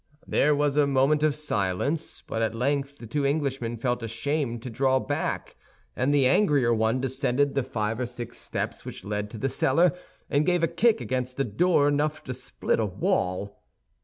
There was a moment of silence; but at length the two Englishmen felt ashamed to draw back, and the angrier one descended the five or six steps which led to the cellar, and gave a kick against the door enough to split a wall.